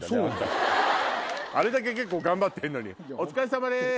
あれだけ結構頑張ってんのにお疲れさまです！